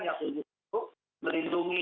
yang tentu untuk melindungi